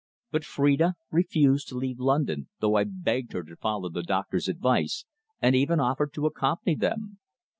But Phrida refused to leave London, though I begged her to follow the doctor's advice, and even offered to accompany them.